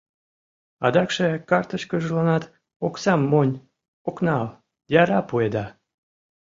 Адакше карточкыжланат оксам монь ок нал, яра пуэда.